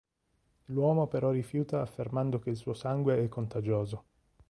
L'uomo però rifiuta affermando che il suo sangue è contagioso.